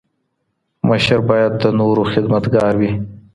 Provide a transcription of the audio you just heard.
مشر باید د نورو خدمتګار وي.